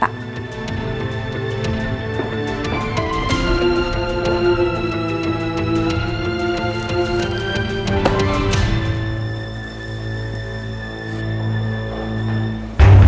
pagi pak surya